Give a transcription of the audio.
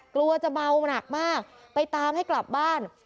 กลัวจะเมาหนักมากไปตามให้กลับบ้าน